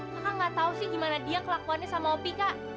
kakak gak tau sih gimana dia kelakuannya sama opi kak